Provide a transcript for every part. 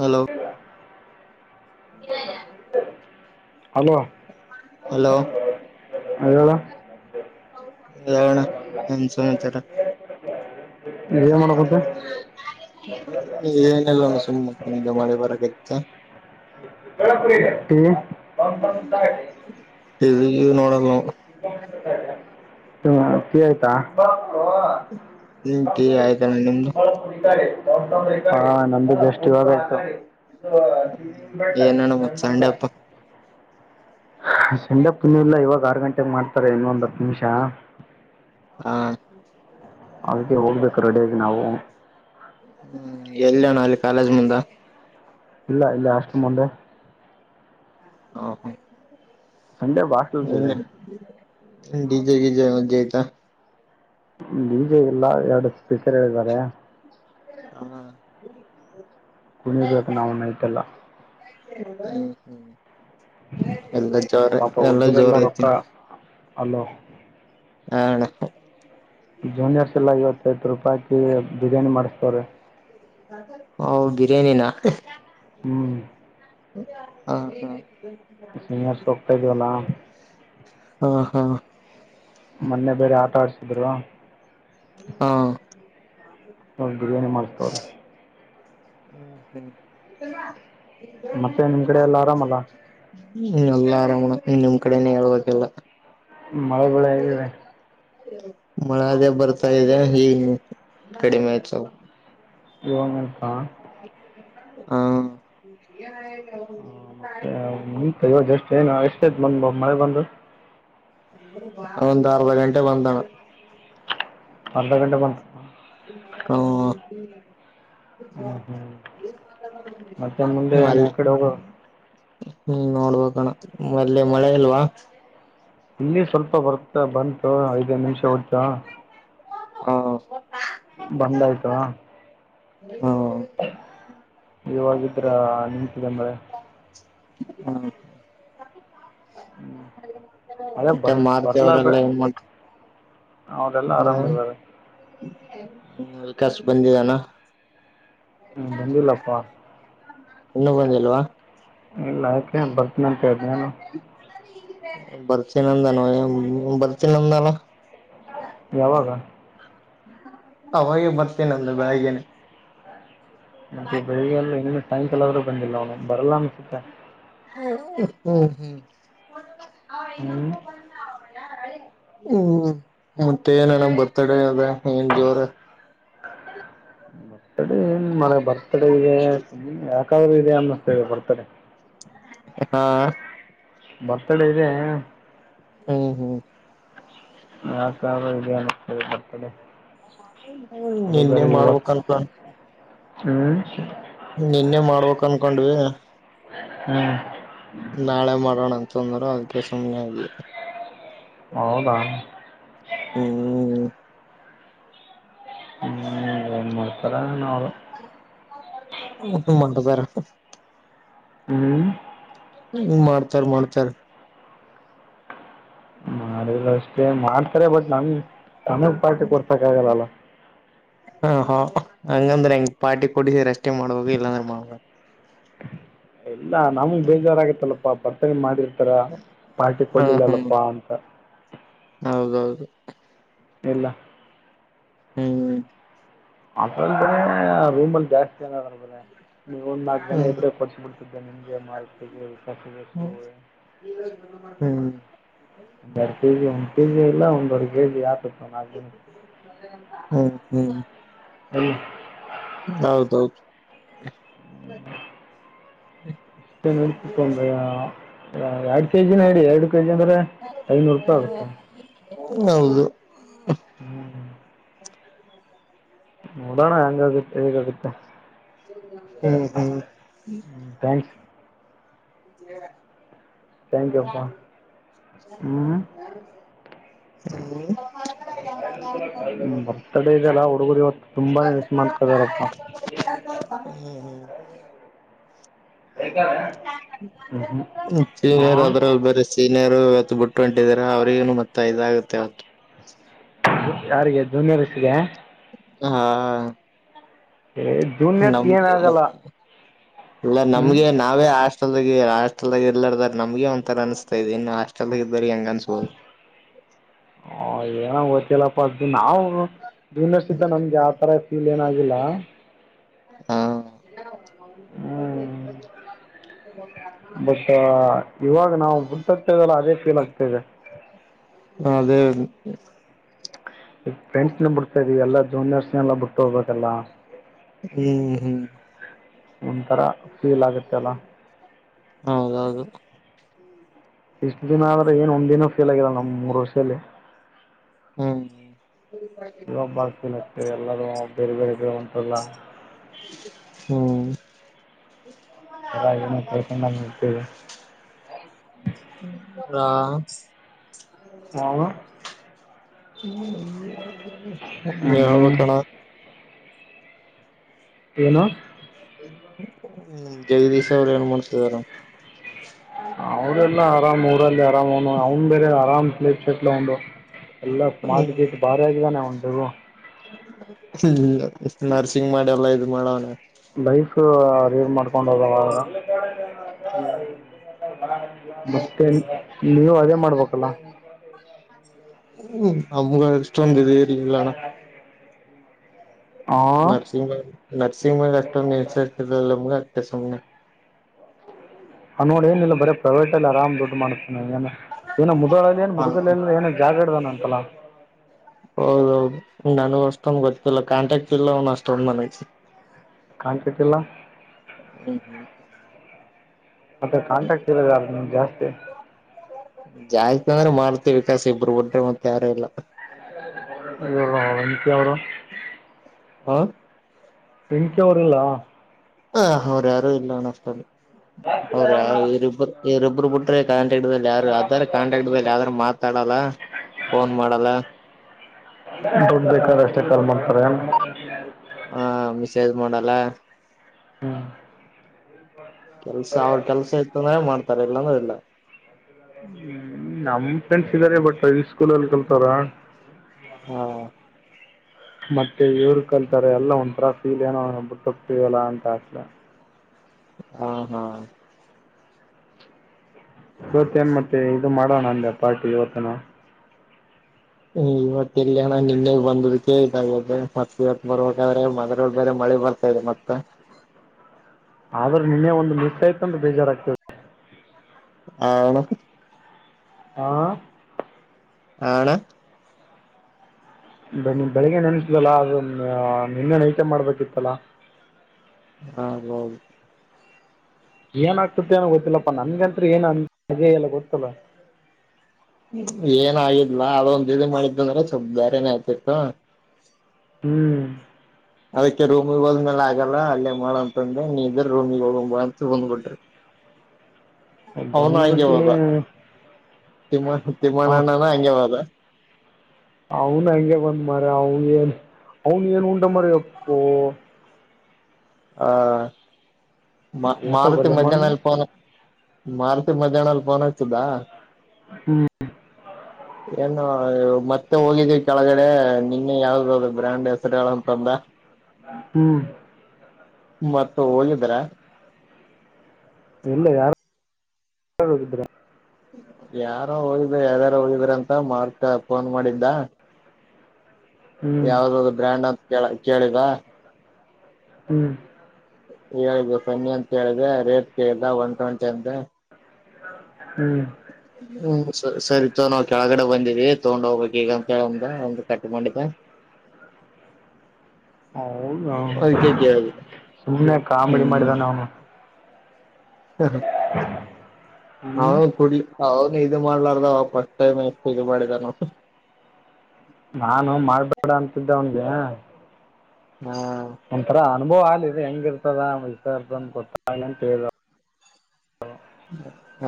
Hello ಹ [unintelligible] [unintelligible] hello hello ಹ್ಮ್ ಹೇಳು ಏಳಅಣ್ಣ ಏನ್ ಸಮಾಚಾರ ಏನ್ ಮಾಡಕೋತ್ತೀ ಏನಿಲ್ಲಣ್ಣ ಸುಮ್ಮ ಮೂಕಂದಿದಾ ಮಳಿ ಬರಕತಿತ ಯೊಳ್ ಅಪ್ಪಿ ಇಂತಿ [unintelligible] ಎದು ನೋಡಲ್ಲ ಟೀ‌ ಆಯ್ತಾ ಹಾ ಟೀ ಆಯ್ತಣ್ಣ ನಿಮ್ದು ಅಣ್ಣ ನಮ್ದು ಜಸ್ಟ್ ಇವಾಗ ಆಯ್ತು ಇದು ಏನಣ್ಣ ಮತ್ ಬೆಟ್ಟನ್ಮಂಗ ಸಂಡೆ ಅಪ್ಪ [unintelligible] ಸೆಂಡಪ್ಪಿನೂ ಇಲ್ಲ ಇವಾಗ ಆರು ಗಂಟೆೆಗೆ ಮಾಡ್ತಾರೆ ಇನ್ನೊ ಒಂದ್ ಹತ್ತು ನಿಮಿಷ ಹಾ ಅದಕ್ಕೆ ಹೋಗ್ಬೇಕು ರೆಡಿಯಾಗಿ ನಾವು ಹ್ಮ್ ಎಲ್ಲಣ ಅಲ್ಲಿ ಕಾಲೇಜ್ ಮುಂದ ಇಲ್ಲ ಇಲ್ಲ ಅಆಷ್ಟಲ ಮೊಂದೆ ಹ ಹಾ ಬಾಟ್ಲದಿದೆ ಡಿಜೆ [unintelligible] ಜಯತಾ ಡಿಜೆ ಎಲ್ಲ ಎರಡು ಸ್ಪೀಕರ್ ಹೇಳಿದ್ದಾರೆ. ಹಾ ಕುಣಿರ್ಬೇಕ ನಾವು ನೈಟೆಲ್ಲ ಹ್ಮ ಎಲ್ಲ ಜೋರ ಎಲ್ಲ ಜೋರ ಐತಿನಿ. ಹಲೋ ಅಣ್ಣ ಜೂನಿಯರ್ಸ್ ಎಲ್ಲ ಇವತ್ತೈತ್ತು ರೂಪಾಯಕಿ ಬಿರಿಯಾನಿ ಮಾಡಿಸ್ತವ್ರೀ. ಹ ಬಿರಿಯಾನಿನ ಹ್ಮ್ ಸಿಂರ್ ಸಕ್ತ ಜೋಲ್ಲ [unintelligible] ಹಾ ಹಾ ಮೊನ್ನೆ ಬೇರೆ ಆಟ ಆಡ್ಸಿದ್. ಹಾ ನಾ ಬಿರಿಯಾನಿ ಮಾಡಿಸ್ತ್ರ ಹ್ಮ್ ಹ್ಮ್ ಹ ಮತ್ತೆ ನಿಮ್ ಕಡೆ ಎಲ್ಲ ಆರಾಮಲ್ಲ ಎಲ್ಲಾ ಆರಾಮಣ ನೀ ನಿಮ್ ಕಡೆನ ಹೇಳ್ಬೇಕಲ್ಲ. ಮಳ ಬೇಳೆ ಹೆಂಗಿದೆ ಮಳದ ಬರ್ತ ಇದೆ ಹ ಕಡಿಮೆಸ ಯಂಗಕ್ಕಾ ಹ್ಮ ಹ ಮತ್ತೆಂತವ ಎಷ್ಟ ಏನು ಎಷ್ಟ ದ ಬಂದ ಮಳೆ ಬಂದು. ಒಂದು ಅರ್ಧ ಗಂಟೆ ಬಂದಾನ. ಅರ್ಧ ಗಂಟೆ ಬಂತು ಬ್ರೋ [unintelligible] ಹ್ಮ್ ಹ್ಮ್ ಮತ್ತೆ ಮುಂದೆ ಏನು ಮಲೀ ಆ ಕಡೆ ಹೋಗೋ ಹ್ಮ್ ನೋಡ್ಬೇಕಣ ಮಲ್ಲಿ ಮಳೆ ಇಲ್ವಾ ಇಲ್ಲಿ ಸ್ವಲ್ಪ ಬರ್ತ ಬಂತು ಐದೈದು ನಿಮಿಷ ಹುಟಾ. ಹ ಬಂದ ಆಯ್ತವಾ ಹಾ ಇವಾಗಿದ್ರ ನಿಂತಿದೆ ಅಂದ್ರೆ ಹ್ಮ ಹ್ಮ್ ಮಳೆ ಮತ್ತೆ ಬರ್ ಮಾರುತಿ ಬರ್ಲ ಅವರೆಲ್ಲ ಬರಲ್ಲ ಏನ್ ಮಾಡ್ತ ಅವರಲ್ಲಾ ಆರಾಮವಾರೆ ವಿಕಸ್ ಬಂದಿದಾನ ಹ್ಮ್ ಬಂದಿಲ್ಲಪ್ಪಾ ಇನ್ನು ಬಂದಿಲ್ವಾ ಇಲ್ಲ ಯಾಕೆ ಬರ್ತನಂತೆ ಹೇಳಿದ್ನ ನಾನು ಭರ್ತಿನಂದನ ಭರ್ತಿನಂದನ ಯಾವಾಗ ಅವಾಗೆ ಬರ್ತೇನೆ ಒಂದು ಬಳಗೇನೆ ಮತ್ತೆ ಬೆಳಿಗ್ಗೆ ಎಲ್ಲ ಇನ್ನ ಸಾಯಂಕಾಲ ಆದ್ರೂ ಬಂದಿಲ್ಲ ಅವನು ಬರಲ್ಲ ಅನ್ಸುತ್ತ ಹಾ ಹ್ಮ್ ಹ್ಮ್ ಹ್ಮ್ ಹ್ಞೂ ಮತ್ತೆ ಏನಣ ಬರ್ತಡೇ ಅದ ಏನ್ ಜೋರ ಬರ್ತಡೆ ಏನ್ ಮಳೆ ಬರ್ತಡೆಗೆ ಯಾಕಾದ್ರೂ ಇದೆ ಅನ್ನಿಸ್ತಗ ಬರ್ತಡೆ. ಹಾ ಬರ್ತಡ ಇದೆ. ಹ್ಮ ಹ್ಮ್. ನ [unintelligible] ಬರ್ತಡೇ. ನಿನ್ನೆ ಮಾಡ್ಬೇಕಕ್ನ್ ಕಲ. ಹ್ಮ್ ಹೋಕ ಅನ್ಕೊಂಡ್ವಿ ಹ್ಮ್ ನಾಳೆ ಮಾಡೋಣ ಅಂತಂದ್ರರು ಅದ್ಕ್ಕೆ ಸುಮ್ಮ್ನೆ ಆದಿವಿ ಹೌದಾ ಹ್ಮ್ ಹ್ಮ್ ಏನ್ ಮಾಡ್ತರ ಅವರು ಹ ಮಾಡಟ ಬರ [unintelligible] ಹ್ಮ್ ಹ್ಮ ಮಾಡ್ತಾರ ಮಾಡ್ತಾರ. ಮಾಡಿಲ್ಲ [unintelligible] ಮಾಡ್ತಾರೆ ಬಟ್ ನಮ ನಮ ಪಾರ್ಟಿ ಕೊಡ್ಸಕ್ ಆಗಲ್ಲಲ್ಲ. ಹ ಹಾ ಹಂಗಂದ್ರೆ ಹೆಂಗ ಪಾರ್ಟಿ ಕೊಡಿಸಿ ರಷ್ಟೇ ಮಾಡ್ಬೇಕ ಇಲ್ಲಾಂದ್ರೆ ಮಾಡಲ್ಲ ಎಲ್ಲ ನಮಗ್ ಬೇಜಾರ ಆಗತ್ತಲ್ಲಪ್ಪ ಬರ್ತಡೇ ಮಾಡಿ ಹರ ಪಾರ್ಟಿ ಹ ಹ್ಮ್ ಕೊಡ್ಲಿಲ್ಲಲ್ಲಪ್ಪಾ ಅಂತ ಹ ಇಲ್ಲ ಹ್ಮ್ ಅದ್ರಲೇ ರೂಮಲ್ಲಿ ಜಾಸ್ತಿ ನೆ ನೀ ಒಂದ್ ನಾಲ್ಕು ಜನ ಹ್ಮ್ ಇದ್ರೆ ಕೊಡ್ಸ ಬಿಡ್ತಿದ್ದೆ ನಿಮ್ಗೆ ಮಾರುಟ್ಟೆಗೆ ಕಸಸು ಮಾಡ್ [unintelligible] [unintelligible] ಹ್ಮ್ ಹ್ಮ್ ಇಲ್ಲ ಹೌದ ಹೌದು ಬರ ಇಷ್ಟ ಎರಡು ಕೆಜಿನಡಿ ಎರಡು ಕೆಜಿ ಅಂದ್ರೆ ಐನೂರು ರೂಪಾಯಿ ಆಗುತ್ತಾ. ಹೌದು ಹ್ಮ್ ಹ್ಮ್ ನೋಡೋಣ ಹಂಗಾಗುತ್ತೆ ಹೇಗ ಆಗುತ್ತೆ. ಹ್ಮ್ ಹ್ಮ್ ಹ್ಮ ಥ್ಯಾಂಕ್ಸ್ ್ದೇವ [unintelligible] ಚಂ ಯಪ್ಪಾ [inaudible] ಹ್ಮ್ ಹ್ಮ್ ಬರ್ತಡೇದೆಲ್ಲ ಉಡುಗೋರಿ ಹೊತ್ತು ತುಂಬಾನೇ ವಿಷಮಾತದಾರಪ್ಪ ಹ್ಮ ಹ್ಮ್ ಚೀನೀರ ಹಾಂ ಅದ್ರಲ್ಲಿ ಬೇರೆ ಸೀನ ಇವತ್ತು ಬಿಟ್ಟ ಹೊಂಟಿದರ ಅವರಿಗ ಮತ್ತ ಇದಾಗುತ್ತೆತ್ತು ಯಾರಿಗೆ ಜೂನಿಯರ್ ಸಿಗಾ ಹಾ ಏ ಜೂನಿಯರ್ಸ್ ನಮ್ ಏನಾಗಲ್ಲ ಇಲ್ಲ ಹ್ಮ್ ನಮ್ಗೆ ನಾವೇ ಆಷ್ಟ ಹೆಲ್ ಹಾಸ್ಟೆಲ್ದಾಗ ಇಲ್ಲ್ದಾರ ನಮಗೆ ಒಂಥರ ಅನಸ್ತಾದೆ ಇನ್ನು ಹಾಸ್ಟಲದಾಗ ಇದ್ದರಿಗೆ ಹೆಂಗ ಅನ್ಸ್ಬಹುದು ಹ [inaudible] ಹ ಏನ ಗೊತ್ತಿಲ್ಲಪ್ಪ ಅದ್ದು ನಾವು ಜೂನಿಯರ್ಸ್ ಇದ್ದಾಗ ನಮಗೆ ಆತರ ಫೀಲ್ ಏನಾಗಿಲ್ಲ. ಹ್ಮ್ [unintelligible] ಬಟ್ ಇವಾಗ ನಾವು ಮುತತ್ತೆದೆಲ್ಲ ಅದೇ ಫೀಲ್ ಆಗ್ತದೆ ಹ ಅದೇ ಈ ಫ್ರೆಂಡ್ಸ್ನ ಬಿಡ್ತಾ ಇದವಿ ಎಲ್ಲಾ ಜೂನಿಯರ್ಸ್ನ ಎಲ್ಲ ಬಿಟ್ಟ ಹೋಗಬೇಕಲ್ಲಾ ಹ್ಮ್ ಹ್ಮ್ ಒಂಥರ ಫೀಲ್ ಆಗುತ್ತೆ ಅಲ್ಲ ಹೌದಹೌದ ಇಷ್ಟ್ ದಿನ ಆದ್ರೆ ಏನ್ ಒಂದ್ ದಿನ ಫೀಲ್ ಫೀಲ್ ಆಗಿಲ್ಲ ನಮ್ ಮೂರ್ ವರ್ಷದಲ್ಲಿ ಹ್ಮ್. ಇಬ್ಬಳಫೀನ್ ಹಕ್ತಾರೆ ಎಲ್ಲರೂ ಬೇರೆ ಬೇರೆರು ಉಂಟಲ್ಲ. ಹ್ಮ. ಅನ ಕೊಳ್ಕೊಂಡ ಫೀಲ್. ಹ. ಹ. [unintelligible] [inaudible] ಏನು. ಹ್ಮ್ ಜಗದೀಶ್ ಅವರು ಏನ್ ಮಾಡ್ತಿದಾರ. ಅವದೆಲ್ಲ ಆರಾಮ್ ಊರಲ್ಲಿ ಆರಾಮ ಅವನು ಅವನ್ ಬೇರೆ ಆರಾಮ್ ಸ್. ಉು ಎಲ್ಲ ಮಾ ಗಿಟ್ ಭಾರಿ ಆಗಿದಾನೆ ಒಂಟು. ಹ್ಮ ನರ್ಸಿಂಗ್ ಮಾಡಿ ಎಲ್ಲಾ ಇ ಮಾಡವನ. ಲೈಫ ಅದೇರ್ ಮಾಡ್ಕೊಂಡ ಹೋದ. ಹ್ಮ್ ಮತ್ತೆ ನೀವು ಅದೇ ಮಾಡ್ಬೇಕಲ್ಲ. ಹ್ಮ್ ಅಮ್ಮಗ ಇಷ್ಟೊಂದಿದೆ ಇರ್ ಇಲ್ಲಣ್ಣ. ಹಾಂ ನರ್ಸಿಂಗ್ಲ್ ನರ್ಸಿಂಗ್ ಮಲ್ ಅಷ್ಟೊ ನಿಸರ್ತ ನಮ್ಗ ಆಗ್ತೆ ಸುಮ್ನೆ. ಹ ನೋಡ್ ಏನಿಲ್ಲ ಬರೀ ಪ್ರೈವೇಟ್ ಅ ಆರಾಮ್ ದುಡ್ ಮಾಡುತ್ತೆ. ಏನ ಏನ ಮುದಳಲ್ಲಿ ಏನ್ ಹಾ ಮುದುಗ ಹಾ ಏನ ಜಾಗ ಇಡ್ದಾನ ಅಂತಲ್ಲ. ಹೌದೌದು ನನಗ ಅಷ್ಟೊಂದು ಗೊತ್ತಿಲ್ಲ ಕಾಂಟಾಕ್ಟ್ ಇಲ್ಲ ಅವ್ನ್ ಅಷ್ಟಂದು ಮನಗೆ. ಕಾಣ್ತಾ ಇಲ್ಲ. ಹ್ಮ್ ಹ್ಮ್ ಮತ್ತೆ ಕಾಂಟ್ರಾಕ್ಟ್ ಇರದ ಅ ನಿಮ್ ಜಾಸ್ತಿ. ಜಾಸ್ತಿ ಅಂದ್ರೆ ಮಾಡ್ತಿವಿ ವಿಕಾಾಸ ಇಬ್ರು ುಟ್ರೆ ಮತ್ತೆ ಯಾರ ಇಲ್ಲ. ನಿತ್ಯ ಅವರು. ಹ. [unintelligible] [inaudible] ಹ ಅವ್ರ ಯಾರು ಇಲ್ಲ ಅಷ್ಟಲ್ಲಿ. ಹ. ಅವ್ರ ಇರಿಬ್ರು ಇರಿೊಬ್ಬರು ಬಿಟ್ರೆ ಕಾಂಟ್ರಾಕ್ಟ್ ಯಾರು ಅದಾರ ಕಾಂಟ್ರಾಕ್ಟ್ ಬ ಯ್ದಾರ ಮಾತಾಡಲ್ಲ. ಫೋನ್ ಮಾಡಲ್ಲ. ದುಡ್ ಬೇಕಾದ ಅಷ್ಟೆ ಕಲ್ ಮಾಡ್ತಾರೆ ಏ. ಹಾ ಮಿಸೇಜ್ ಮಾಡಲ್ಲ. ಹಾ. ಕೆಲ್ಸ ಅವ್ರ ಕೆಲ್ಸ ಇತ್ತುಂದೆ ಮಾಡ್ತಾರೆ ಇಲ್ಲಾನ ಇಲ್ಲ. ಹ್ಮ ನಮ್ ಫ್ರೆಂಡ್ಸ್ ಇದ್ದಾರೆ ಬಟ್ ಈ ಸ್ಕೂಲಲ್ಲಿ ಕಲ್ತಾರ. ಹ್ಮ. ಮತ್ತೆ ಇವ್ರು ಕಲ್ತಾರೆ ಎಲ್ಲ ಒಂಥರ ಫೀಲ್ ಏನೋ ಅವನ್ನ ಬಿುಟ್ಟ ಹೋಗ್ತವಲ್ಲ ಅಂತ ಆಸಲ. ಹ್ಮ ಹಾ. ಇವತ್ತೇನ್ ಮತ್ತೆ ಇದು ಮಾಡೋಣ ಅಂದ ಪಾರ್ಟಿ ಇವತ್ತನ. ಇವತ್ತ ಎಲ್ಲಿಯಣ್ಣ ನಿನ್ನೆ ಬಂದದಕ್ಕೆೇ ಇದಾಗೆ ಮತ್ತ್ ಬರ್ಬೇಕಾದ್ರೆ ಮದ್ ಬೇರೆ ಮ. ಕಳಿ ಬರ್ತಾ ಇದೆ ಮತ್ತೆ. ಆದ್ರೆ ನಿನ್ನೆ ಒಂದು ಮಿಸ್ ಆಯ್ತ ಅಂದ್ರೆ ಬೇಜಾರಾಗಗ್್ತದೆ. ಹ ಅಣ್ಣ. ಹಾ. ಆಣ. ಬ ಬೆಳಿಗ್ಗೆ ನೆನ್ಸಲಲ್ಲ ಅ ನಿನ್ನೆ ನೈಚ ಮಾಡ್ಬೇಕಿತ್ತಲ್ಲ. ಹಾ ಹೌದು. ಏನಾಗ್ತತ್ತ ಅನೋ ಗೊತ್ತಿಲ್ಲಪ್ಪ ನನ್ಗತ್ ಏನ್ ಅ ಅಜೇ ಎಲ್ಲ ಗೊತ್ತಲ್ಲ. ಏನ ಆಾಗಿದಲಾ ಅವಂದ ಬಿಡಿಿ ಮಾಡಿದ್ದ ಅಂದ್ರೆ ಸ್ವಲ್ಪ ಬೇರೆನೆೇ ಆಯತಿತ್ತು. ಹ್ಮ್. ಅದಕ್ಕೆ ರೂಮಗ್ ಹೋದ್ಮೇಲೆ ಆಗಲ್ಲ ಅಲ್ಲೇ ಮಾಡಂತಂದ್ ನೀ ಇದ್ರ ರೂಮಗ್ ಹೋಗ ಬಾ ಅಂತ ಬಂದ್ ಬಿಟ್ರ ಅವನು ಹಂಗೆ ಬಂದ್ಬಿಟ್ಟು ಹೋದ ತಿಮ್ಮ ತಿಮಣ್ಣನ ಹಂಗೆ ಹೋದ ಅವನ್ ಹಂಗೆ ಬಂದ ಮಾರ ಅವನ್ ಏನ್ ಅವನು ಏನ್ ಉಂಡ ಮರಿ ಅಪ್ಪೋ ಹ ಮಾ ಊಟ ಮಾರತಿ ಬಲೆ ಮಾಡಿ ಮಜಾನಲ್ಲಿ ಫೋನ್ ಹಚ್ಚಿ ಮಾರತಿ ಮಜಹಾನಲ್ಲಿ ಪೋನ್ ಹಚ್ಚಿ ಬಾ ಹ್ಮ್ ಏನು ಮತ್ತೆ ಹೋಗಿದೀವಿ ಕೆಳಗಡೆ ನಿನ್ನೆ ಯಾವ್ದ ಬ್ರ್ಯಾಂಡ್ ಹೆಸರುಗಳಂತಂದ ಹ್ಮ್ ಮತ್ತ ಹೋಗಿದ್ರ. ಇಲ್ಲ ಯಾರೋ ಹೋಗಿದ್ರ ಯಾರೋ ಓದಿದ್ರ ಯಾರ್ಯಾರು ಓದಿದ್ರ ಅಂತ ಮಾರ್ಕ್ ಫೋನ್ ಮಾಡಿದ್ದ ಹ್ಞೂ ಯಾವ್ದ್ದ ಬ್ರ್ಯಾಂಡ್ ಅಂತ ಕ ಕೇಳಿದ ಹ್ಮ್ ಹೇಳ್ದ ಸನ್ನಿ ಅಂತ ಕೇಳಿದೆ ರೇಟ್ ಕೇಳ್ದ ಒಂದ ಟ್ವೆಂಟಿ ಅಂದೆ ಹ್ಮ್ ಹ್ಮ ಸರಿತ ನಾವು ಕೆಳಗಡೆ ಬಂದೀವಿ ತಗೊಂಡ್ ಹೋಗ್ಬೇಕ್ ಈಗಂತ ಹೇಳ ಒ ಕಟ್ ಮಾಡಿದ್ದ ಹೌದಾ ಅದಕ್ಕೆ ಕೇಳಿದೆ ಸುಮ್ಮ್ನೆ ಕಾಮಿಡಿ ಮಾಡಿದ ಅವನು ಹ ಹ್ಞೂ ನಾವೇನ ಕೊಡ್ಲಿ ಅವನು ಇ ಮಾಡ್ಲಾರ್ದ ಫಸ್ಟ್ ಟೈಮ್ ಎಷ್ಟು ಇದ ಮಾಡಿದಾನ ನೋಡು ಹಾ ಹಾ ಒಂಥರ ಅನುಭವ್ ಅಲದೆ ಹೆಂಗ ಇರ್ತದ ವಿರನ್ ಗೊತ್ತಾಗ ಅಂತ ಹೇಳ ಹಾ ಹ್ಮ ಹ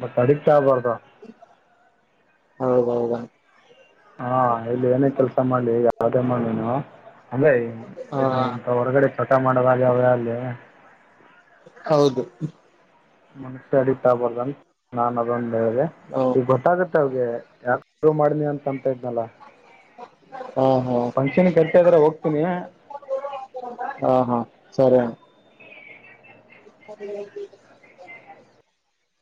ಮತ್ತ್ ಅಡ ಚ ಆಗ್ಬಾರ್ದು ಹೌದಹೌದ ಹಾ ಇಲ್ಲಿ ಏನೇ ಕೆಲ್ಸ ಮಾಡ್ಲಿ ಈಗ ಯಾವುದೇ ಮಾಡ್ಲಿ ನೀ ಅಲ್ಲೇ ಹ ಇದು ಇಂತ ಹೊರಗಡೆ ಚಟ ಮಾಡದಾಗಲಿ ಅವೆ ಅಲ್ಲಿ ಹೌದು ಮನ್ಸ್ಯ ಅಡತ ಆಬಾರ್ದಂತ ನಾನ್ ಅದೊಂದ ಹೇಳೆ ಹ ಈಗ ಗೊತ್ತಾಗತ್ತೆ ಅವರಿಗೆ ಯಾರ ಶುರು ಮಾಡನಿ ಅಂತ ಅಂತ ಇದ್ನಲ್ಲ ಹ ಹ ಫಂಕ್ಷನ್ ಕರಿತಾ ಇದಾರೆ ಹೋಗ್ತೀನಿ ಹಾ ಹ ಹಾ ಸರಿ ಹ್ಮ